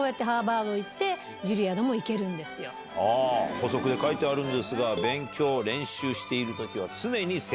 補足で書いてあるんですが。